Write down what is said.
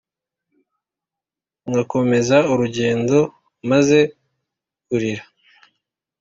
nkakomeza urugendo maze kurira,